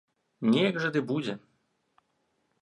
Неяк жа ды будзе.